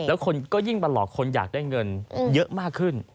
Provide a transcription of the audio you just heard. แล้วคนก็ยิ่งมาหลอกคนอยากได้เงินเยอะมากขึ้น